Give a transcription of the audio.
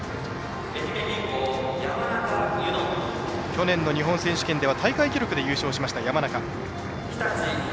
去年の日本選手権では大会記録で優勝しました、山中。